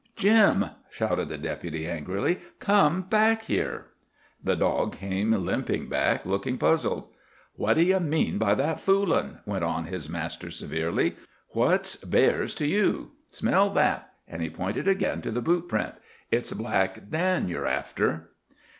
"Jim," shouted the Deputy angrily, "come back here." The dog came limping back, looking puzzled. "What do you mean by that foolin'?" went on his master severely. "What's bears to you? Smell that!" and he pointed again to the boot print. "It's Black Dan you're after."